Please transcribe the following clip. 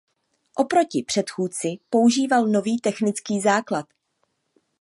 Oproti předchůdci používal nový technický základ.